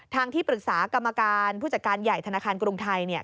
ที่ปรึกษากรรมการผู้จัดการใหญ่ธนาคารกรุงไทยเนี่ย